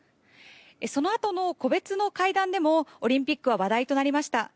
そのあとの個別の会談でもオリンピックは話題となりました。